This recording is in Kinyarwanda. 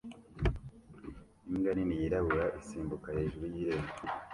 Imbwa nini yirabura isimbuka hejuru y irembo